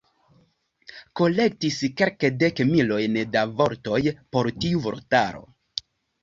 Kolektis kelkdek milojn da vortoj por tiu vortaro.